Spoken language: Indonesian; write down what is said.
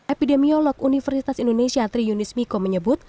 epidemiolog universitas indonesia triunis miko menyebut